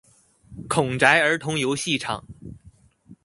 孔宅兒童遊戲場